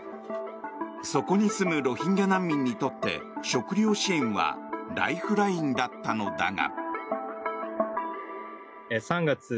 そこに住むロヒンギャ難民にとって食料支援はライフラインだったのが。